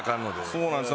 そうなんです。